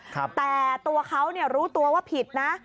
แต่ตัวเขารู้ตัวว่าผิดนะ